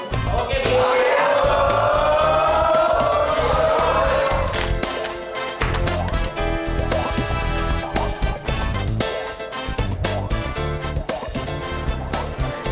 oke secara kompas